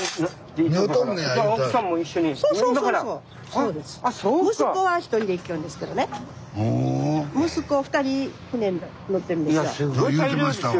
いやすごい大漁ですよ